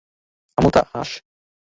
আমুথা, হাস!